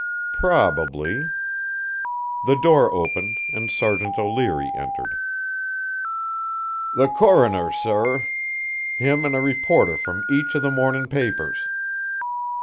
"Probably " The door opened, and Sergeant O'Leary entered. "The coroner, sorr him an' a reporter from each av the mornin' papers."